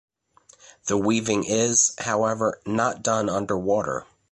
The weaving is, however, not done under water.